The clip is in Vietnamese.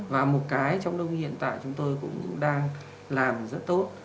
và một cái trong đông hiện tại chúng tôi cũng đang làm rất tốt